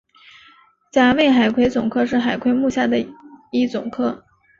甲胄海葵总科是海葵目下的一总科。